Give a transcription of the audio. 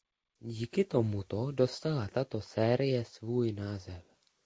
Díky tomuto dostala tato série svůj název.